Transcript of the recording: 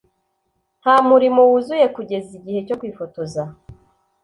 nta murimo wuzuye kugeza igihe cyo kwifotoza.